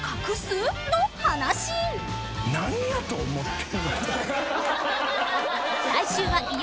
何やと思ってんの。